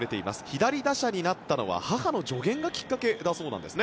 左打者になったのは母の助言がきっかけだそうです。